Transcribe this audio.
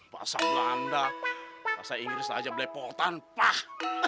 bahasa belanda bahasa inggris aja belepotan pah